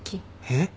えっ？